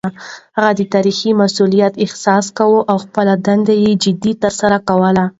هغه د تاريخي مسووليت احساس کاوه او خپله دنده يې جدي ترسره کوله.